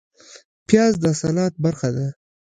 پیاز د سلاد برخه ده